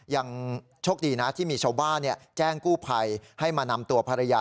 ยังโชคดีนะที่มีชาวบ้านแจ้งกู้ภัยให้มานำตัวภรรยา